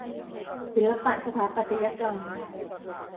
ศิลปะสถาปัตยกรรม